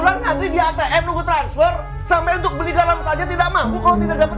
mau ngakuinnya nanti di atm transfer sampai untuk beli garam saja tidak mampu kalau tidak dapat